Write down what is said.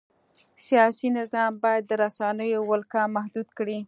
سیاسي نظام باید د رسنیو ولکه محدوده کړي.